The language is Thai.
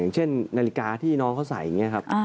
เช่นนาฬิกาที่น้องเขาใส่อย่างนี้ครับ